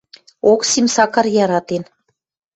Оксим Сакар яратен.